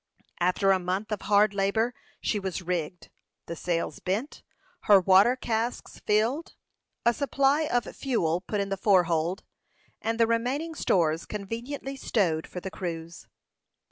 After a month of hard labor she was rigged, the sails bent, her water casks filled, a supply of fuel put in the fore hold, and the remaining stores conveniently stowed for the cruise.